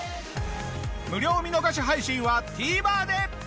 無料見逃し配信はＴＶｅｒで。